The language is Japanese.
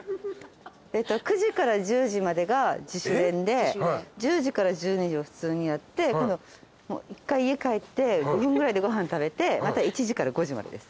９時から１０時までが自主練で１０時から１２時は普通にやって一回家帰って５分ぐらいでご飯食べてまた１時から５時までです。